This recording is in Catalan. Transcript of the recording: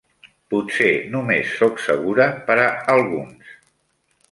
Potser només soc segura per a alguns.